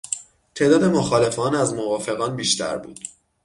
تعداد مخالفان از موافقان بیشتر بود.